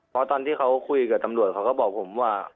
เพราะตอนที่เขาคุยกับตำรวจเขาก็บอกผมว่า